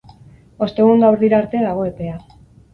Ostegun gauerdira arte dago epea.